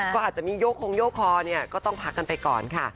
ก็อาจจะมีโยกคงโยกคอเนี่ยก็ต้องพักกันไปก่อนค่ะ